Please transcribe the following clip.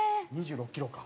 ２６キロか。